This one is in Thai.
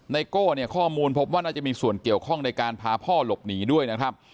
โก้เนี่ยข้อมูลพบว่าน่าจะมีส่วนเกี่ยวข้องในการพาพ่อหลบหนีด้วยนะครับ